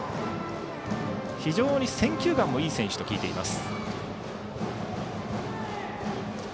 非常に選球眼もいい選手と聞いています。